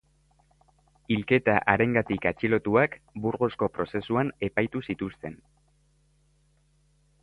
Hilketa harengatik atxilotuak Burgosko Prozesuan epaitu zituzten.